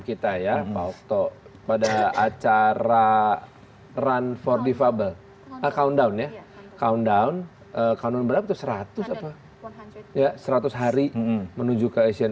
kita ya pak wokto pada acara run for defable countdown ya countdown seratus hari menuju ke asian